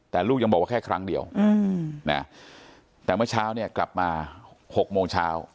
แต่ลูกยังบอกว่าแค่ครั้งเดียวนะแต่เมื่อเช้าเนี่ยกลับมา๖โมงเช้า